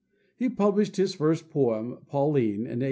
He published his first poem, "Pauline," in 1833.